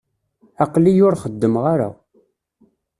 Aql-iyi ur xeddmeɣ ara.